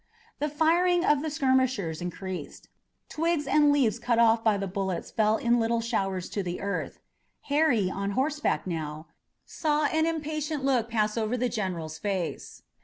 The firing of the skirmishers increased. Twigs and leaves cut off by the bullets fell in little showers to the earth. Harry, on horseback now, saw an impatient look pass over the general's face.